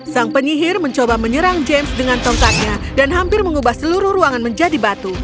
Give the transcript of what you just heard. sang penyihir mencoba menyerang james dengan tongkatnya dan hampir mengubah seluruh ruangan menjadi batu